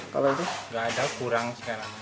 tidak ada kurang sekarang